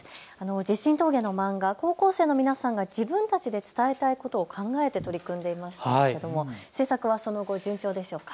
地震峠の漫画、高校生の皆さんが自分たちで伝えたいことを考えて取り組んでいましたけれども制作はその後、順調でしょうか。